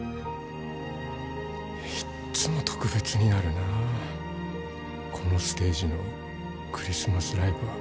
いっつも特別になるなあこのステージのクリスマスライブは。